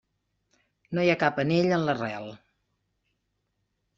No hi ha cap anell en l'arrel.